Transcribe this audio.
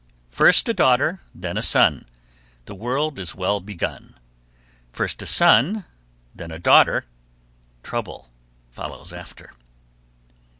First a daughter, then a son, The world is well begun. First a son, then a daughter, Trouble follows after.